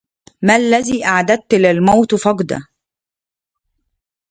ما الذي أعددت للموت فقد